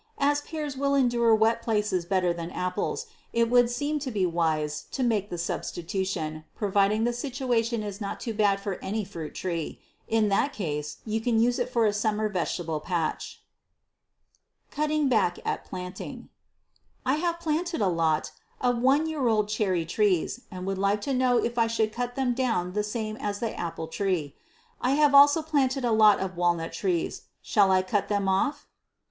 As pears will endure wet places better than apples, it would seem to be wise to make the substitution, providing the situation is not too bad for any fruit tree. In that case you can use it for a summer vegetable patch. Cutting Back at Planting. I have planted a lot of one year old cherry trees and would like to know if I should cut them down the same as the apple tree? I have also planted a lot of walnut trees. Shall I cut them off?